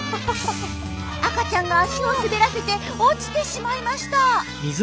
赤ちゃんが足を滑らせて落ちてしまいました！